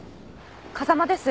風間です。